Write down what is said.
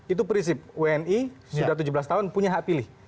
itu prinsip wni sudah tujuh belas tahun punya hak pilih